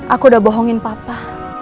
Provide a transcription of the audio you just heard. aku udah bohongin papa